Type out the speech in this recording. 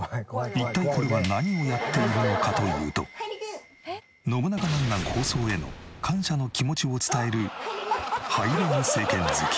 一体これは何をやっているのかというと『ノブナカなんなん？』放送への感謝の気持ちを伝えるハイレグ正拳突き。